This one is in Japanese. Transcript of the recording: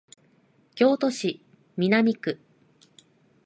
京都市南区